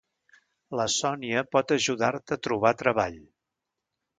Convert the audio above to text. La Sònia pot ajudar-te a trobar treball...